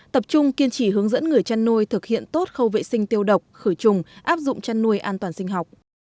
tập trung kiên trì hướng dẫn người chăn nuôi thực hiện tốt khâu vệ sinh tiêu độc khử trùng áp dụng chăn nuôi an toàn sinh học